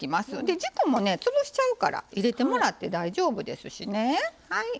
軸もね潰しちゃうから入れてもらって大丈夫ですしね。